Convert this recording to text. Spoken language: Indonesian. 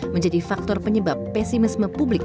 menjadi faktor penyebab pesimisme publik